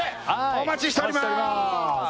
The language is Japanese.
お待ちしております